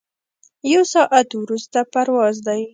یو ساعت وروسته پرواز دی.